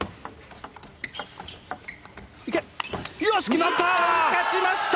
決まった！